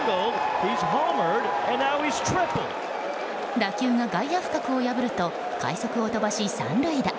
打球が外野深くを破ると快足を飛ばし３塁打。